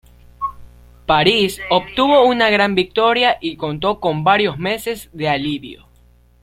París obtuvo una gran victoria y contó con varios meses de alivio.